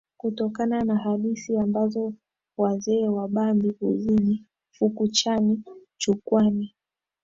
Kutokana na hadithi ambazo wazee wa Bambi, Uzini, Fukuchani, Chukwani.